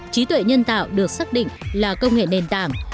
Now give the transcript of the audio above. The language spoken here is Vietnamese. trí tuệ nhân tạo được xác định là công nghệ nền tảng